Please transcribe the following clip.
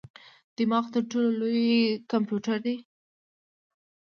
دماغ تر ټولو لوی کمپیوټر دی.